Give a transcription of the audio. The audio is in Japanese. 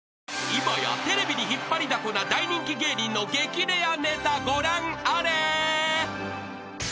［今やテレビに引っ張りだこな大人気芸人の激レアネタご覧あれ］